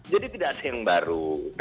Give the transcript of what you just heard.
jadi tidak ada yang baru